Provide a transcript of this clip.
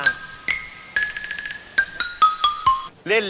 คนชัยา